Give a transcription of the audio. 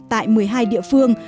tại một mươi hai địa phương